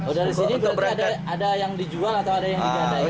oh dari sini berarti ada yang dijual atau ada yang digadai